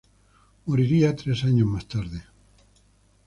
Moriría tres años más tarde.